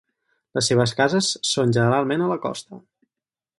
Les seves cases són generalment a la costa.